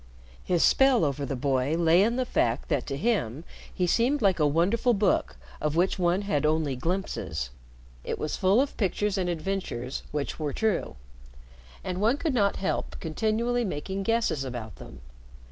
His spell over the boy lay in the fact that to him he seemed like a wonderful book of which one had only glimpses. It was full of pictures and adventures which were true, and one could not help continually making guesses about them.